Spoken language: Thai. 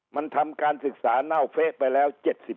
มันทำการศึกษาเน่าเฟะไปแล้ว๗๐